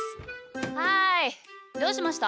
はいどうしました？